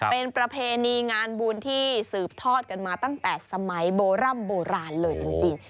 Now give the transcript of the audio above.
เป็นประเพณีงานบุญที่สืบทอดกันมาตั้งแต่สมัยโบร่ำโบราณเลยจริง